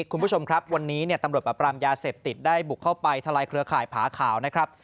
คุณผู้ชมครับวันนี้ตำรวจปรับปรามยาเสพติดได้บุกเข้าไปทลายเครือข่ายผาขาวนะครับ